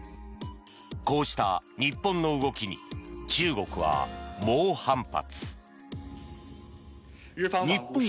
こうした日本の動きに中国は猛反発。